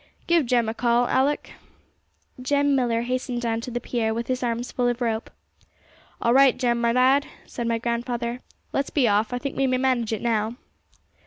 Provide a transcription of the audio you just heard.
'Give Jem a call, Alick.' Jem Millar hastened down to the pier with his arms full of rope. 'All right, Jem, my lad,' said my grandfather. 'Let's be off; I think we may manage it now.'